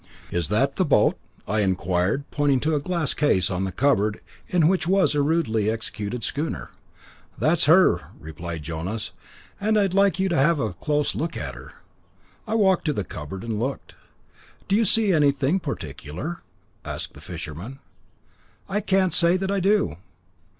"Is that the boat?" I inquired, pointing to a glass case on a cupboard, in which was a rudely executed schooner. "That's her," replied Jonas; "and I'd like you to have a look close at her." I walked to the cupboard and looked. "Do you see anything particular?" asked the fisherman. "I can't say that I do."